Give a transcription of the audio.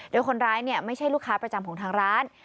โดยคนร้ายไม่ใช่ลูกค้าประจำของทางร้าน